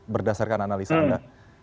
berdasarkan analisa anda